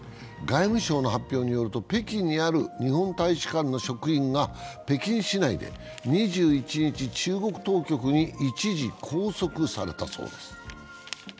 外務省の発表によると、北京にある日本大使館の職員が北京市内で２１日、中国当局に一時拘束されたそうです。